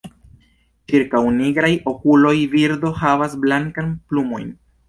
Ĉirkaŭ nigraj okuloj birdo havas blankan plumojn.